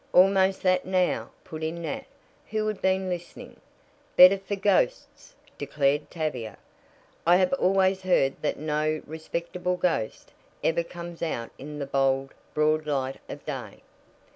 "Almost that now," put in Nat, who had been listening. "Better for ghosts," declared Tavia. "I have always heard that no respectable ghost ever comes out in the bold, broad light of day."